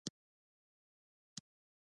خاک جبار ولسوالۍ غرنۍ ده؟